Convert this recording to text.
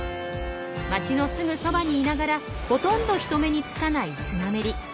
街のすぐそばにいながらほとんど人目につかないスナメリ。